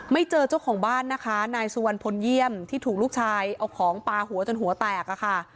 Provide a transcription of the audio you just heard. เจอเจ้าของบ้านนะคะนายสุวรรณพลเยี่ยมที่ถูกลูกชายเอาของปลาหัวจนหัวแตกอะค่ะ